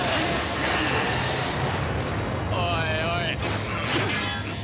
おいおい！